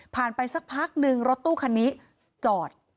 ไปสักพักนึงรถตู้คันนี้จอด